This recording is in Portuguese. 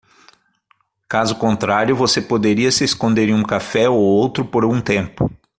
Caso contrário, você poderia se esconder em algum café ou outro por um tempo.